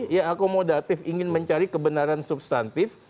ya akomodatif ingin mencari kebenaran substantif